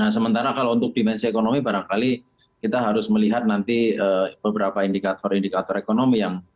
sementara kalau untuk dimensi ekonomi barangkali kita harus melihat nanti beberapa indikator indikator ekonomi yang